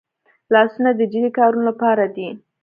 لاسونه د جدي کارونو لپاره دي